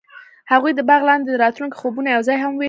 هغوی د باغ لاندې د راتلونکي خوبونه یوځای هم وویشل.